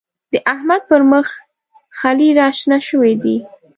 د احمد پر مخ خلي راشنه شوي دی.